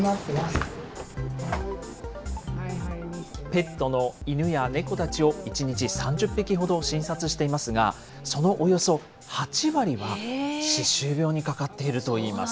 ペットの犬や猫たちを１日３０匹ほど診察していますが、そのおよそ８割は歯周病にかかっているといいます。